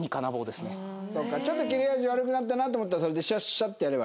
ちょっと切れ味悪くなったなと思ったらそれでシャッシャってやれば。